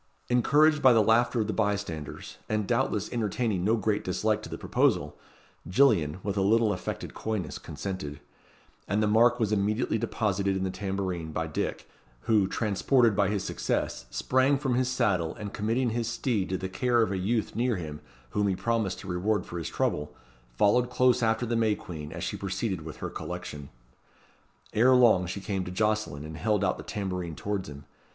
Encouraged by the laughter of the bystanders, and doubtless entertaining no great dislike to the proposal, Gillian, with a little affected coyness, consented; and the mark was immediately deposited in the tambourine by Dick, who, transported by his success, sprang from his saddle, and committing his steed to the care of a youth near him, whom he promised to reward for his trouble, followed close after the May Queen, as she proceeded with her collection. Ere long she came to Jocelyn, and held out the tambourine towards him.